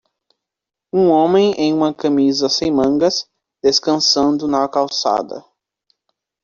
Um homem em uma camisa sem mangas, descansando na calçada.